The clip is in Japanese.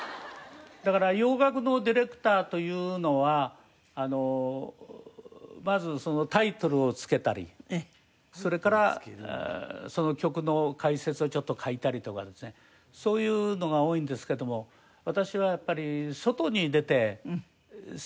だから洋楽のディレクターというのはまずタイトルを付けたりそれからその曲の解説をちょっと書いたりとかですねそういうのが多いんですけども私はやっぱり外に出て宣伝を自らやったんですね。